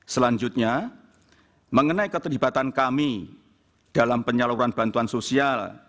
selanjutnya mengenai keterlibatan kami dalam penyaluran bantuan sosial